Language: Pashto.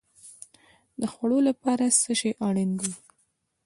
د خوړو لپاره څه شی اړین دی؟